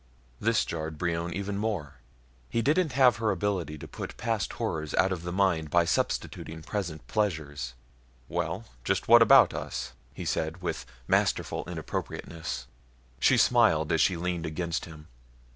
This jarred Brion even more. He didn't have her ability to put past horrors out of the mind by substituting present pleasures. "Well, just what about us?" he said with masterful inappropriateness. She smiled as she leaned against him.